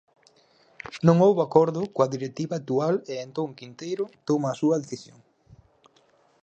Non houbo acordo coa directiva actual e entón Quinteiro toma a súa decisión.